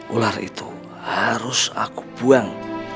ular itu harus aku buang